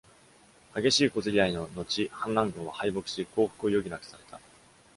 激しい小競り合いの後、反乱軍は敗北し降伏を余儀なくされた。